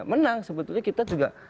menang sebetulnya kita juga